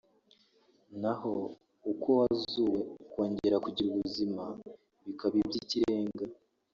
naho uko wazuwe ukongera kugira ubuzima bikaba iby’ikirenga